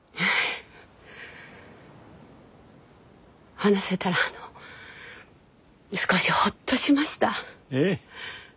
話せたらあの少しホッとしました。